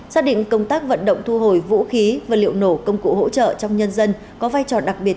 xác định công tác vận động thu hồi vũ khí và liệu nổ công cụ hỗ trợ trong nhân dân có vai trò đặc biệt